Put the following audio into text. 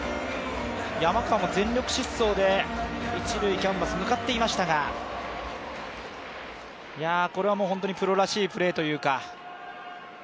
山川も全力疾走で一塁キャンバスに向かっていましたが、これはもう本当にプロらしいプレーというか。